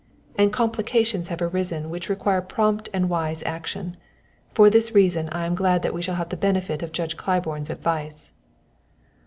And complications have arisen which require prompt and wise action. For this reason I am glad that we shall have the benefit of Judge Claiborne's advice."